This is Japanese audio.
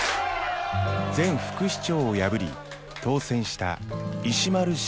前副市長を破り当選した石丸伸二さん。